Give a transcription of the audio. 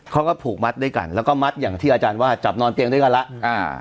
เขาก็ผูกมัดด้วยกันแล้วก็มัดอย่างที่อาจารย์ว่าจับนอนเตียงด้วยกันแล้วอ่า